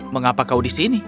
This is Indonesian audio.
mengapa kau disini